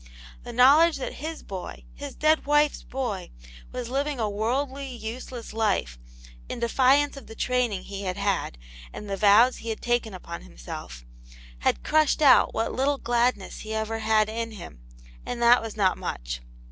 The know ledge that his boy, his dead wife's boy, was living a worldly, useless life, in defiance of the training he had had, and the vows he had taken upon himself, had crushed out what little gladness he ever had in him, and that was not much.